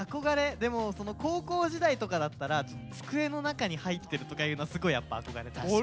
でも高校時代とかだったら机の中に入ってるとかいうのすっごいやっぱ憧れた。